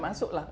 masuk ke grid